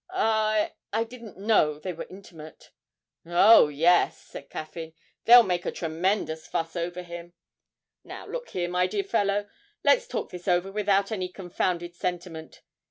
'I I didn't know they were intimate.' 'Oh, yes,' said Caffyn; 'they'll make a tremendous fuss over him. Now look here, my dear fellow, let's talk this over without any confounded sentiment.